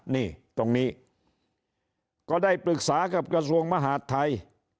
นี่ตรงนี้ก็ได้ปรึกษากับกระทรวงมหาดไทย